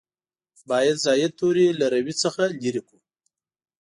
باید زاید توري له روي څخه لرې کړو.